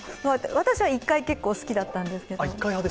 私は１階結構好きだったんですけど。